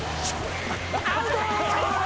アウトー！